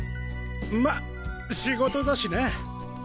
ま仕事だしな。